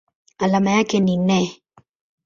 Alama yake ni Ne.